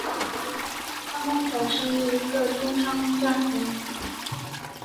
潘公展生于一个绢商家庭。